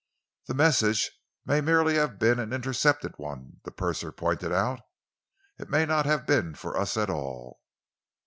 "The message may merely have been an intercepted one," the purser pointed out. "It may not have been fur us at all."